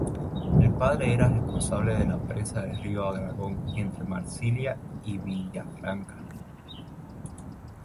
El padre era responsable de la presa del río Aragón entre Marcilla y Villafranca.